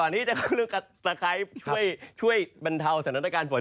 ตะไครช่วยบรรเทาสนับสนับการฝน